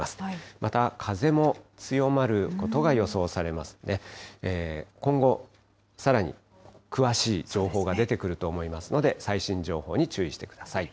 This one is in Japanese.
また風も強まることが予想されますので、今後、さらに詳しい情報が出てくると思いますので、最新情報に注意してください。